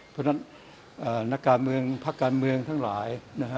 เพราะฉะนั้นนักการเมืองพักการเมืองทั้งหลายนะฮะ